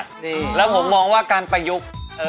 ดีเหรอคะแล้วผมมองว่าการประยุกต์เออ